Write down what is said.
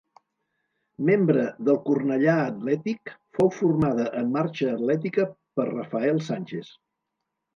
Membre del Cornellà Atlètic, fou formada en marxa atlètica per Rafael Sánchez.